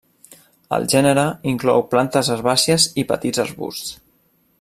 El gènere inclou plantes herbàcies i petits arbusts.